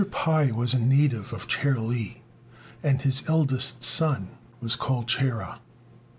Pai was a native of Chi li, and his eldest son was called Chia.